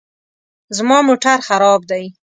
زما موټر خراب دی